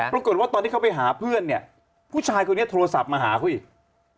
ตอนที่เขาไปหาเพื่อนเนี่ยผู้ชายคนนี้โทรศัพท์มาหาเขาอีก